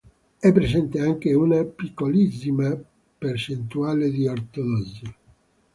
È presente anche una piccolissima percentuale di ortodossi.